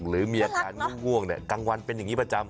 หรือมีอาการง่วงกลางวันเป็นอย่างนี้ประจำ